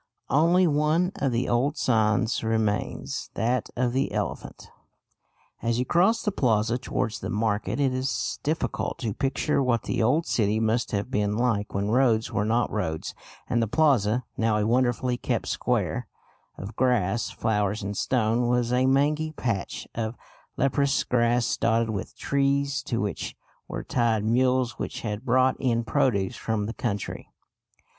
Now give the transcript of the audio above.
Only one of the old signs remains, that of the elephant. As you cross the plaza towards the market, it is difficult to picture what the old city must have been like when roads were not roads and the plaza, now a wonderfully kept square of grass, flowers and stone, was a mangy patch of leprous grass dotted with trees, to which were tied mules which had brought in produce from the country.